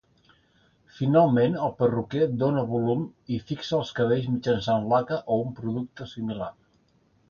Finalment, el perruquer dóna volum i fixa els cabells mitjançant laca o un producte similar.